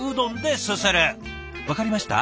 分かりました？